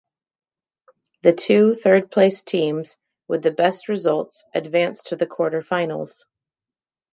The two third-placed teams with the best results advanced to the quarter-finals.